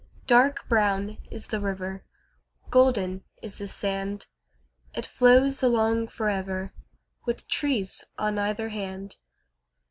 Dark brown is the river, Golden is the sand. It flows along for ever, With trees on either hand.